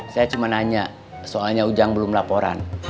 saya cuma nanya soalnya ujang belum laporan